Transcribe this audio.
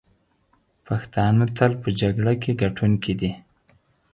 پښتانه تل په جګړه کې ګټونکي دي.